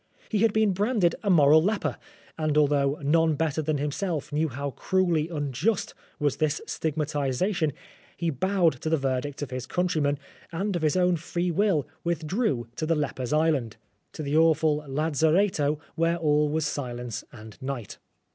He had been branded a moral leper ; and although none better than himself knew how cruelly unjust was this stigmatisation, he bowed to the verdict of his countrymen, and of his own free will withdrew to the lepers* island to the awful lazzaretto where all was silence and night.